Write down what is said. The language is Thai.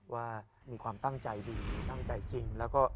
ว่ามีความตั้งใจดีตั้งใจกิน